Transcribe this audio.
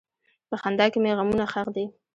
په خندا کې مې غمونه ښخ دي.